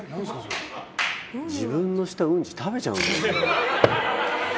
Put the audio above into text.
自分のしたうんち食べちゃうんですよ。